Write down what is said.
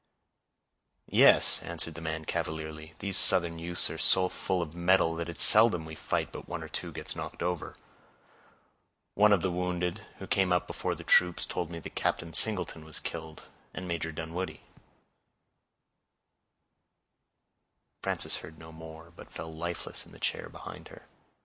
"Yes," answered the man, cavalierly, "these Southern youths are so full of mettle, that it's seldom we fight but one or two gets knocked over; one of the wounded, who came up before the troops, told me that Captain Singleton was killed, and Major Dunwoodie—" Frances heard no more, but fell lifeless in the chair behind her.